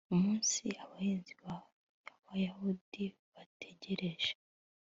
umunsi abanzi b abayahudi bari bategereje